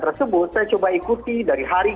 tersebut saya coba ikuti dari hari